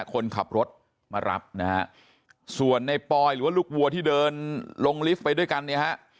คนขับรถมารับนะฮะส่วนในปอยหรือว่าลูกวัวที่เดินลงลิฟต์ไปด้วยกันเนี่ยฮะ